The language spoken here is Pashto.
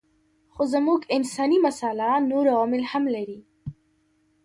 خو زموږ انساني مساله نور عوامل هم لري.